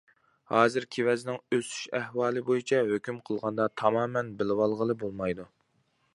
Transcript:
ھازىر كېۋەزنىڭ ئۆسۈش ئەھۋالى بويىچە ھۆكۈم قىلغاندا، تامامەن بىلىۋالغىلى بولمايدۇ.